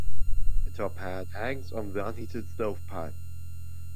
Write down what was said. A top hat hangs on the unheated stovepipe.